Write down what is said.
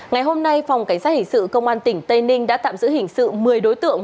ngày hôm nay phòng cảnh sát hình sự công an tỉnh tây ninh đã tạm giữ hình sự một mươi đối tượng